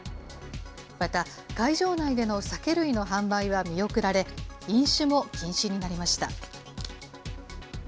また、会場内での酒類の販売は見送られ、飲酒も禁止になりました。